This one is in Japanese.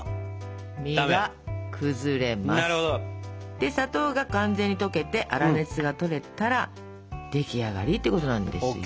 で砂糖が完全に溶けて粗熱がとれたら出来上がりってことなんですよ。